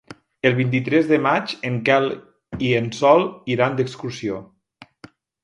El vint-i-tres de maig en Quel i en Sol iran d'excursió.